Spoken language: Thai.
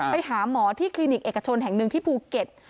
ไปหาหมอที่คลินิกเอกชนแห่งหนึ่งที่ภูเก็ต